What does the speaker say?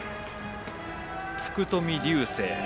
福冨竜世。